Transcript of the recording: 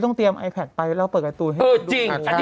โอโธไปกินซุฟคี้เท่าเขียวกลับบ้าน